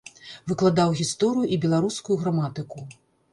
Выкладаў гісторыю і беларускую граматыку.